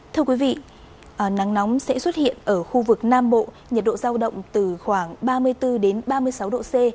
thưa quý vị nắng nóng sẽ xuất hiện ở khu vực nam bộ nhiệt độ giao động từ khoảng ba mươi bốn ba mươi sáu độ c